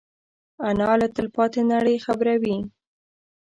انا له تلپاتې نړۍ خبروي